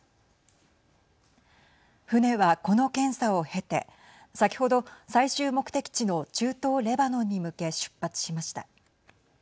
船は、この検査を経て先程、最終目的地の中東レバノンに向け出発しました。